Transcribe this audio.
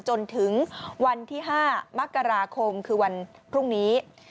จนถึงวันที่๕มกราคมคือวันพรุ่งนี้